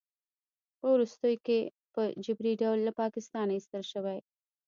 په وروستیو کې په جبري ډول له پاکستانه ایستل شوی